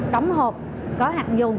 đóng hộp có hạt dùng